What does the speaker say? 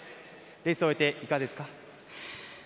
レースを終えて、いかがですか？